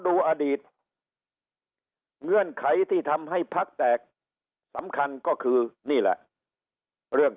ดูอดีตเงื่อนไขที่ทำให้พักแตกสำคัญก็คือนี่แหละเรื่อง